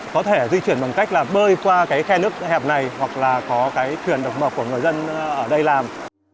có thể di chuyển bằng cách là bơi qua cái khe nước hẹp này hoặc là có cái thuyền độc mộc của người dân ở đây làm